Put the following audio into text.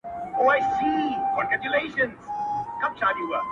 دا فکر کوو چي دا دومره چمتو والی